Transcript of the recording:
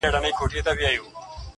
شین طوطي کیسې د ټوکو جوړولې!.